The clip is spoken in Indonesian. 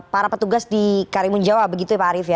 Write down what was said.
para petugas di karimun jawa begitu ya pak arief ya